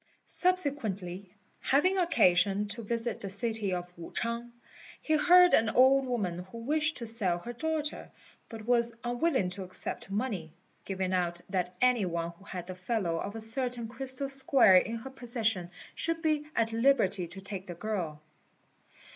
Subsequently, having occasion to visit the city of Wu ch'ang, he heard of an old woman who wished to sell her daughter, but was unwilling to accept money, giving out that any one who had the fellow of a certain crystal square in her possession should be at liberty to take the girl.